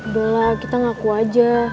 udah lah kita ngaku aja